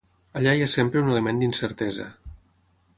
Allà hi ha sempre un element d'incertesa.